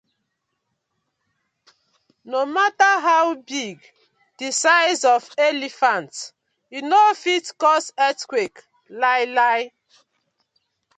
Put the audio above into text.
No matta how big di size of elephant, e no fit cause earthquake lai la.